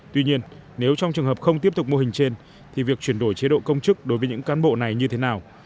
tuy nhiên nếu trong trường hợp không tiếp tục mô hình trên thì việc chuyển đổi chế độ công chức đối với những cán bộ này như thế nào